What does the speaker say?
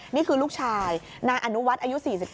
นี่คือลูกชายนายอนุวัฒน์อายุ๔๗